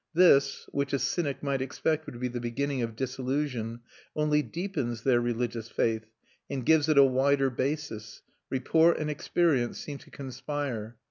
This (which a cynic might expect would be the beginning of disillusion) only deepens their religious faith and gives it a wider basis; report and experience seem to conspire.